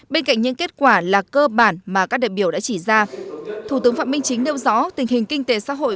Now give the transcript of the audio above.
bên cạnh những kết quả là cơ bản mà các đại biểu đã chỉ ra thủ tướng phạm minh chính nêu rõ tình hình kinh tế xã hội